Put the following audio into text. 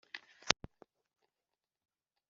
njye: mbega ibibazo